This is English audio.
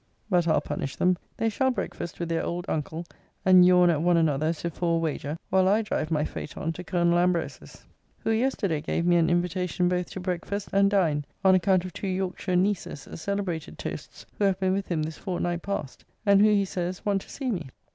But I'll punish them they shall breakfast with their old uncle, and yawn at one another as if for a wager; while I drive my phaëton to Colonel Ambroses's, who yesterday gave me an invitation both to breakfast and dine, on account of two Yorkshire nieces, celebrated toasts, who have been with him this fortnight past; and who, he says, want to see me.